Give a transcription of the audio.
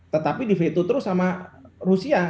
tetapi diveto terus sama rusia